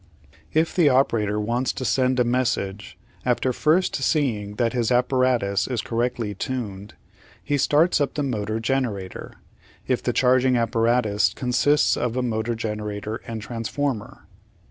If the operator wants to send a message, after first seeing that his apparatus is correctly tuned, he starts up the motor generator, if the charging apparatus consists of a motor generator and transformer.